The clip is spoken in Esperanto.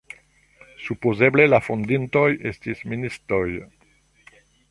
Supozeble la fondintoj estis ministoj.